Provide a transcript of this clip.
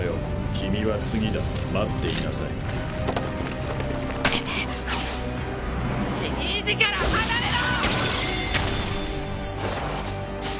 君は次だ待っていなさいじいじから離れろ！